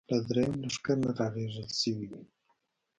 له درېیم لښکر نه را لېږل شوې وې.